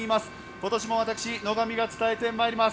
今年も私、野上が伝えてまいります。